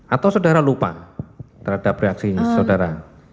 atau saudara lupa terhadap reaksi saudara